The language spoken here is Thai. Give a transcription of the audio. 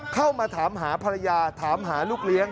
เข้ามาถามหาภรรยาถามหาลูกเลี้ยง